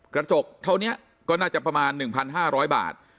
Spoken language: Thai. กระจกเท่านี้ก็น่าจะประมาณ๑๕๐๐บาท